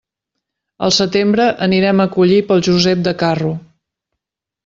Al setembre anirem a collir pel Josep de Carro.